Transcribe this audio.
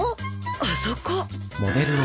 あそこ。